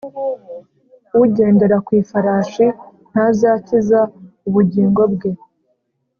Ugendera ku ifarashi ntazakiza ubugingo bwe